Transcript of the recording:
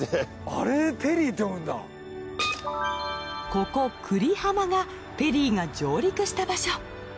ここ久里浜がペリーが上陸した場所。